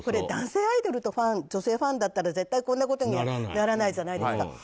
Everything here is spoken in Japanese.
男性アイドルの女性ファンだったら絶対こんなことにはならないじゃないですか。